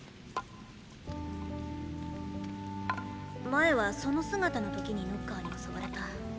前はその姿の時にノッカーに襲われた。